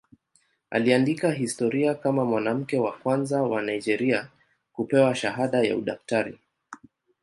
Aliandika historia kama mwanamke wa kwanza wa Nigeria kupewa shahada ya udaktari.